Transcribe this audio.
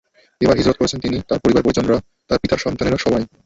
এবার হিজরত করেছেন তিনি, তাঁর পরিবার পরিজনরা, তাঁর পিতার সন্তানেরা সবাই।